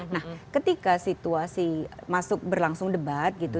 nah ketika situasi masuk berlangsung debat gitu